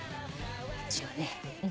一応ね。